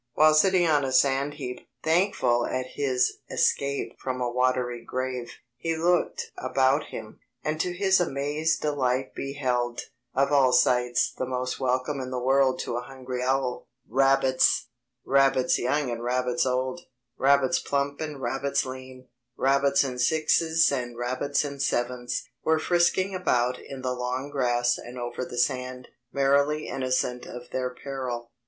While sitting on a sand heap, thankful at his escape from a watery grave, he looked about him, and to his amazed delight beheld—of all sights the most welcome in the world to a hungry owl—rabbits! Rabbits young and rabbits old, rabbits plump and rabbits lean, rabbits in sixes and rabbits in sevens, were frisking about in the long grass and over the sand, merrily innocent of their peril.